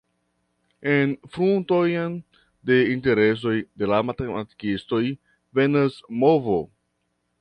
En frunton de interesoj de la matematikistoj venas movo.